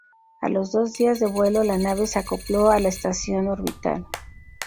A los dos días de vuelo, la nave se acopló a la estación orbital.